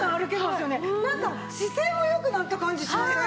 なんか姿勢も良くなった感じしません？